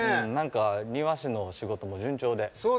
庭師の仕事も順調で。